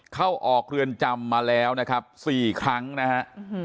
เข้าออกเรือนจำมาแล้วนะครับ๔ครั้งนะฮะ